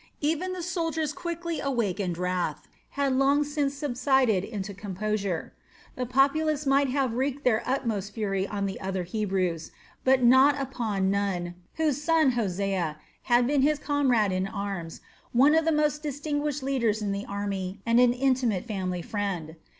Even the soldier's quickly awakened wrath had long since subsided into composure. The populace might have wreaked their utmost fury on the other Hebrews, but not upon Nun, whose son, Hosea, had been his comrade in arms, one of the most distinguished leaders in the army, and an intimate family friend.